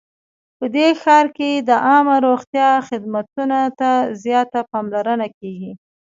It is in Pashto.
په دې ښار کې د عامه روغتیا خدمتونو ته زیاته پاملرنه کیږي